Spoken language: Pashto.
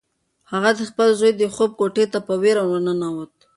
هغه د خپل زوی د خوب کوټې ته په وېره ورننوته.